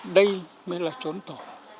đây mới là chốn tổ